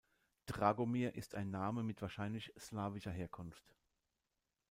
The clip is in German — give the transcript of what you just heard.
Dragomir ist ein Name mit wahrscheinlich slawischer Herkunft.